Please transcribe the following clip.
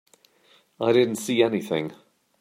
I didn't see anything.